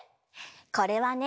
これはね